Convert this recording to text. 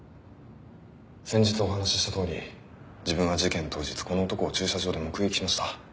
先日お話しした通り自分は事件当日この男を駐車場で目撃しました。